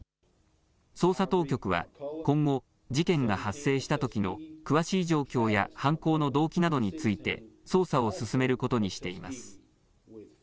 捜査当局は今後、事件が発生したときの詳しい状況や犯行の動機などについて捜査を進めることにしています。